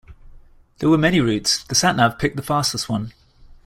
There were many routes, the sat-nav picked the fastest one.